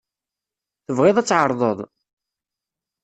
Tebɣiḍ ad tεerḍeḍ?